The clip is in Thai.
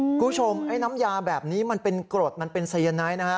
คุณผู้ชมน้ำยาแบบนี้มันเป็นกรดมันเป็นไซยานไนท์